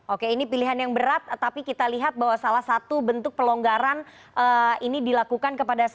oke ini pilihan yang berat tapi kita lihat bahwa salah satu bentuk pelonggaran ini dilakukan kepada pemerintah